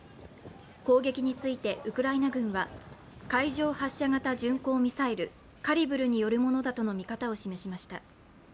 攻撃についてウクライナ軍は、海上発射型巡航ミサイルカリブルによるものだとの見方を示しました。